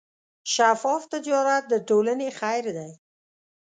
شفاف تجارت د ټولنې خیر دی.